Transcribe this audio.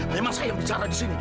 memang saya yang bicara di sini